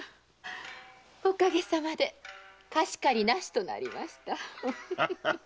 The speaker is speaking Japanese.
おかげさまで貸し借りなしとなりました。